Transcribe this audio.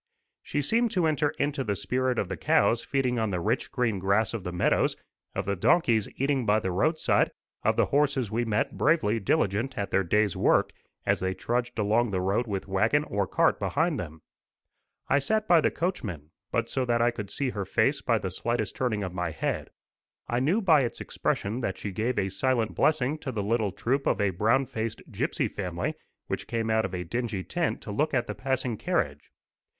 She seemed to enter into the spirit of the cows feeding on the rich green grass of the meadows, of the donkeys eating by the roadside, of the horses we met bravely diligent at their day's work, as they trudged along the road with wagon or cart behind them. I sat by the coachman, but so that I could see her face by the slightest turning of my head. I knew by its expression that she gave a silent blessing to the little troop of a brown faced gipsy family, which came out of a dingy tent to look at the passing carriage.